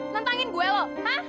mentangin gue lo hah